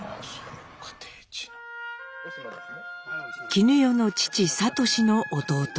絹代の父智の弟